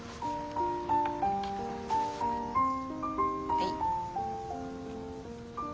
はい。